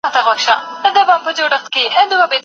ایا سیاست د ټولنې په ګټه تمامیدای سي؟